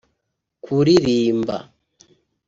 kuririmba